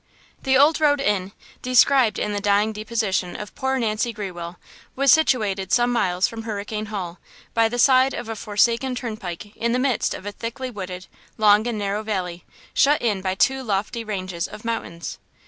"THE Old Road Inn," described in the dying deposition of poor Nancy Grewell, was situated some miles from Hurricane Hall, by the side of a forsaken turnpike in the midst of a thickly wooded, long and narrow valley, shut in by two lofty ranges of mountains.